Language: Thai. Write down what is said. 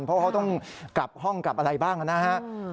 เพราะเขาต้องกลับห้องกลับอะไรบ้างนะฮะ